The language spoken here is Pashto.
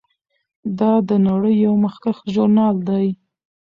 دا د نړۍ یو مخکښ ژورنال دی.